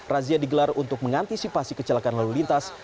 razia digelar untuk mengantisipasi kecelakaan lalu lintas